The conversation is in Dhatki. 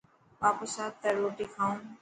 واپس آءِ ته روٽي کائون.